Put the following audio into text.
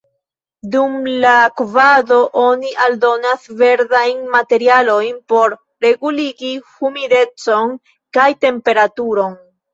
Dum la kovado oni aldonas verdajn materialojn por reguligi humidecon kaj temperaturon.